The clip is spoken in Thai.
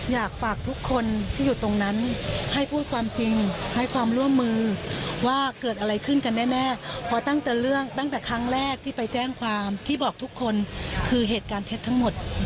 อยากฝากทุกคนที่อยู่ตรงนั้นให้พูดความจริงให้ความร่วมมือว่าเกิดอะไรขึ้นกันแน่เพราะตั้งแต่เรื่องตั้งแต่ครั้งแรกที่ไปแจ้งความที่บอกทุกคนคือเหตุการณ์เท็จทั้งหมด